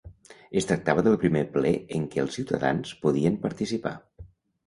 Es tractava del primer ple en què els ciutadans podien participar.